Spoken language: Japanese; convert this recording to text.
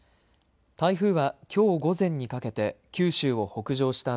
台風はきょう午前にかけて九州を北上した